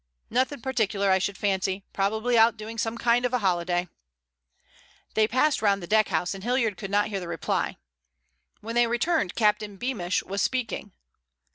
"Nothing particular, I should fancy. Probably out doing some kind of a holiday." They passed round the deckhouse and Hilliard could not hear the reply. When they returned Captain Beamish was speaking.